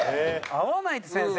合わないって先生。